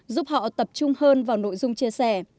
giúp họ tập trung hơn vào nội dung chia sẻ